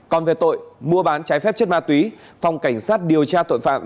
còn về tội mua bán trái phép chất ma túy phòng cảnh sát điều tra tội phạm